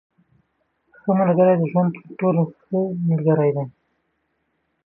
• ښه ملګری د ژوند تر ټولو ښه ملګری دی.